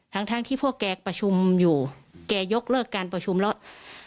ทั้งทั้งที่พวกแกประชุมอยู่แกยกเลิกการประชุมแล้ว